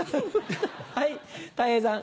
はいたい平さん。